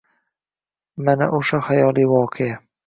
Mana o‘sha xayoliy voqea.